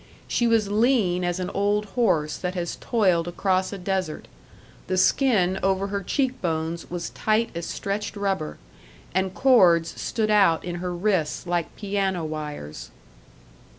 She was lean as an old horse that has toiled across a desert; the skin over her cheek bones was tight as stretched rubber, and cords stood out in her wrists like piano wires.